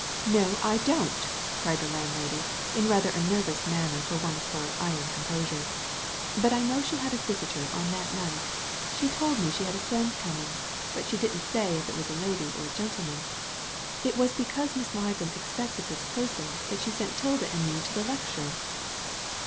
"No, I don't I" cried the landlady, in rather a nervous manner for one of her iron composure, " but I know she had a visitor on that night She told me she had a friend coming, but she didn't say if it was a lady or a gentleman. It was because Miss Ligram expected this person that she sent 'Tilda and me to the lecture."